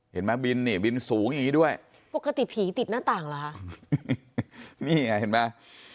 เห็นไหมบินนี่บินสูงอย่างงี้ด้วยปกติผีติดหน้าต่างเหรอคะนี่ไงเห็นไหม